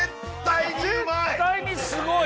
絶対にすごい！